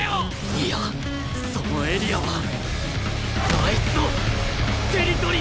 いやそのエリアはあいつのテリトリーだ！